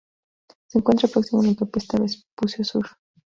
Se encuentra próxima a la Autopista Vespucio Sur.